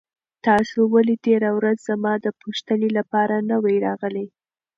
تاسو ولې تېره ورځ زما د پوښتنې لپاره نه وئ راغلي؟